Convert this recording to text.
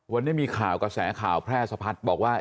วันนี้มีข่าวกระแสข่าวแพร่สะพัดบอกว่า